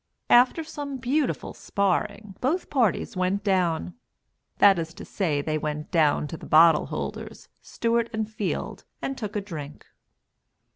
After some beautiful sparring, both parties went down that is to say, they went down to the bottle holders, Stewart and Field, and took a drink.